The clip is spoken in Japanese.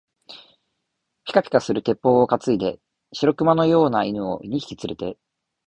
ぴかぴかする鉄砲をかついで、白熊のような犬を二匹つれて、